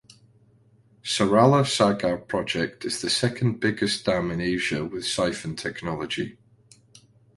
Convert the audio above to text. Sarala Sagar Project is the second biggest dam in Asia with siphon technology.